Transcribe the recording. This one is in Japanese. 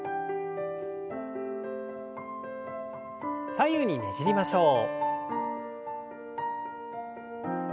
左右にねじりましょう。